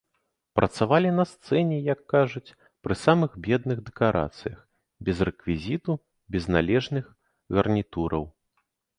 Працавалі на сцэне, як кажуць, пры самых бедных дэкарацыях, без рэквізіту, без належных гарнітураў.